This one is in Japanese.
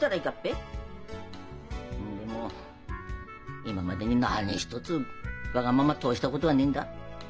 んでも今までに何一つわがまま通したことはねえんだ。